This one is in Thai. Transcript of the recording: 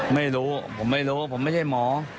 ไม่รู้ผมไม่รู้ผมไม่ใช่หมอ